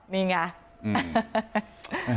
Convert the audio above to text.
นี่ไง